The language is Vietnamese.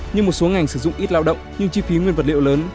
nhưng một số ngành sử dụng ít lao động nhưng chi phí nguyên vật liệu lớn